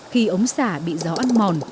khi ống xả bị gió ăn mòn